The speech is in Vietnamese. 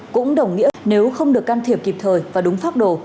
cũng đồng nghĩa nếu không được can thiệp kịp thời và đúng pháp đồ